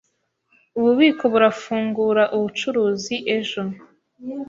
Ububiko burafungura ubucuruzi ejo.